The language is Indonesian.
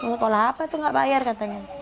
sekolah apa itu nggak bayar katanya